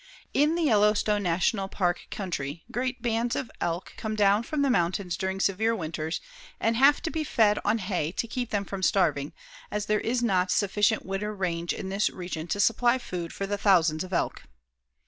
In the Yellowstone National Park country great bands of elk come down from the mountains during severe winters and have to be fed on hay to keep them from starving, as there is not sufficient winter range in this region to supply food for the thousands of elk.